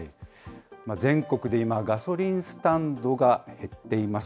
全国で今、ガソリンスタンドが減っています。